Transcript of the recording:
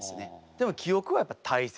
でも記憶はやっぱ大切？